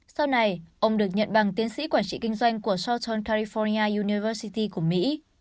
sau này ông được nhận bằng tiến sĩ quản trị kinh doanh của southern california university của mỹ